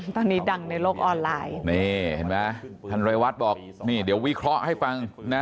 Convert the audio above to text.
ตอนนี้ดังในโลกออนไลน์นี่เห็นไหมท่านเรวัตบอกนี่เดี๋ยววิเคราะห์ให้ฟังนะ